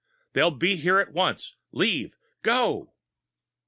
They'll be here at once! Leave GO!